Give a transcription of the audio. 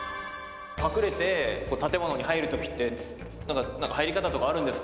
隠れて建物に入るときって、なんか、入り方とかあるんですか？